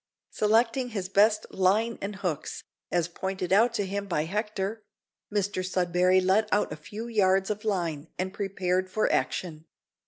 Selecting his best line and hooks as pointed out to him by Hector Mr Sudberry let out a few yards of line, and prepared for action.